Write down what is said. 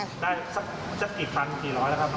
ได้สักกี่พันกี่ร้อยแล้วครับ